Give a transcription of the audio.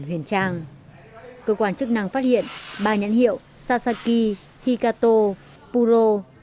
huyền trang cơ quan chức năng phát hiện ba nhãn hiệu sasaki hikato puro